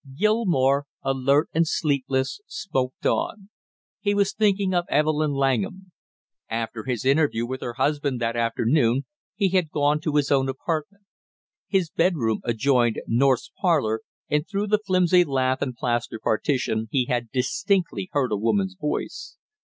Gilmore, alert and sleepless, smoked on; he was thinking of Evelyn Langham. After his interview with her husband that afternoon he had gone to his own apartment. His bedroom adjoined North's parlor and through the flimsy lath and plaster partition he had distinctly heard a woman's voice.